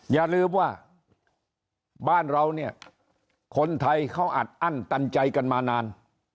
อย่าลืมว่าบ้านเราเนี่ยคนไทยเขาอัดอั้นตันใจกันมานาน